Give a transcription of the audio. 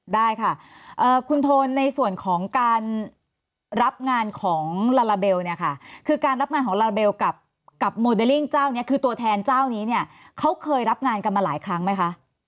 ได้ค่ะคุณโทนในส่วนของการรับงานของลาลาเบลเนี่ยค่ะคือการรับงานของลาลาเบลกับโมเดลลิ่งเจ้านี้คือตัวแทนเจ้านี้เนี่ยเขาเคยรับงานกันมาหลายครั้งไหมคะ